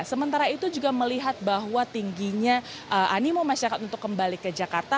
sementara itu juga melihat bahwa tingginya animo masyarakat untuk kembali ke jakarta